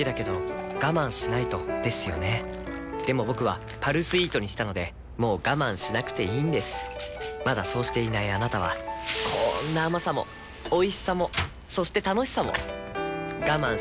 僕は「パルスイート」にしたのでもう我慢しなくていいんですまだそうしていないあなたはこんな甘さもおいしさもそして楽しさもあちっ。